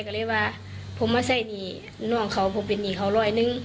ก็เลยว่าผมมาใส่หนี้น้องเขาผมเป็นหนี้เขาร้อยหนึ่ง